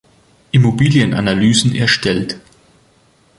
Immobilien-Analysen erstellt.